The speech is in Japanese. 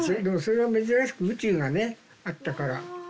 でもそれは珍しく宇宙がねあったから。